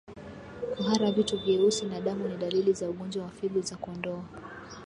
Kuhara vitu vyeusi na damu ni dalili za ugonjwa wa figo za kondoo